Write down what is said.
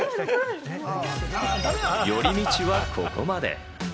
寄り道はここまで。